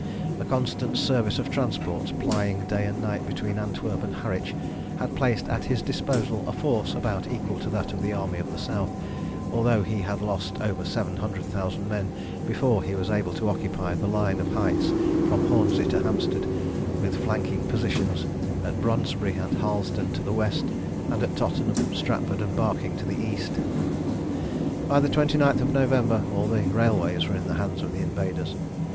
A constant service of transports, plying day and night between Antwerp and Harwich, had placed at his disposal a force about equal to that of the Army of the South, although he had lost over seven hundred thousand men before he was able to occupy the line of heights from Hornsey to Hampstead, with flanking positions at Brondesbury and Harlesden to the west, and at Tottenham, Stratford, and Barking to the east. By the 29th of November all the railways were in the hands of the invaders.